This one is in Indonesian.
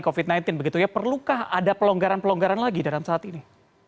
covid sembilan belas begitu ya perlukah ada pelonggaran pelonggaran lagi dalam saat ini